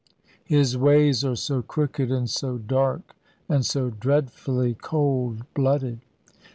His ways are so crooked, and so dark, and so dreadfully cold blooded."